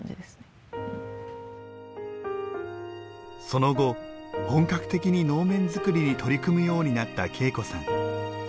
その後、本格的に能面作りに取り組むようになった景子さん。